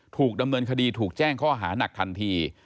ถูกดำเนินคดีถูกแจ้งข้อหานักทันที